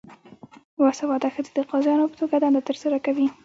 باسواده ښځې د قاضیانو په توګه دنده ترسره کوي.